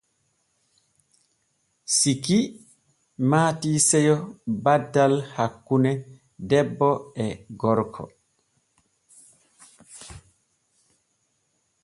Siki maati seyo baddal hakkune debbo e gorko.